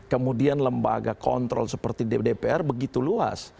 kemudian lembaga kontrol seperti dpr begitu luas